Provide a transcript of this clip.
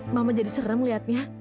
mama jadi serem liatnya